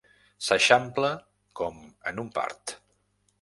S'eixampla com en un part.